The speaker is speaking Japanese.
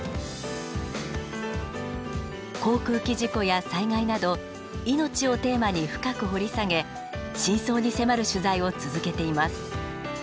航空機事故や災害など「命」をテーマに深く掘り下げ真相に迫る取材を続けています。